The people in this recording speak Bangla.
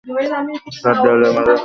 চার দেয়ালের মাঝে সম্মানজনক মৃত্যু!